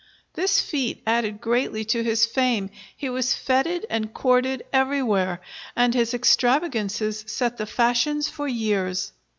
This feat added greatly to his fame. He was fêted and courted everywhere, and his extravagances set the fashions for years.